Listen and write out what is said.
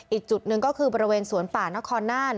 อีกจุดหนึ่งก็คือบริเวณสวนป่านครน่าน